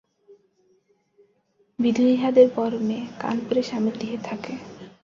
বিধু ইঁহাদের বড়ো মেয়ে, কানপুরে স্বামিগৃহে থাকে।